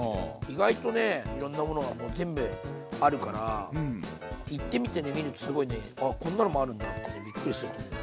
意外とねいろんなものがもう全部あるから行ってみてね見るとすごいねあこんなのもあるんだってびっくりすると思う。